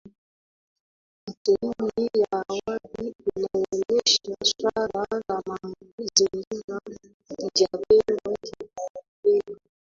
Tathmini ya awali inaonesha suala la Mazingira halijapewa kipaumbele